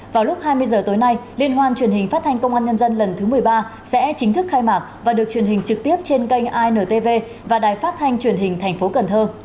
vào lúc hai mươi h tối nay liên hoan truyền hình phát thanh công an nhân dân lần thứ một mươi ba sẽ chính thức khai mạc và được truyền hình trực tiếp trên kênh intv và đài phát thanh truyền hình thành phố cần thơ